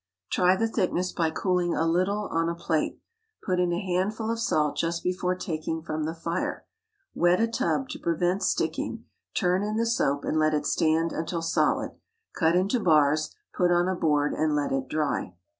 Try the thickness by cooling a little on a plate. Put in a handful of salt just before taking from the fire. Wet a tub to prevent sticking; turn in the soap and let it stand until solid. Cut into bars; put on a board and let it dry.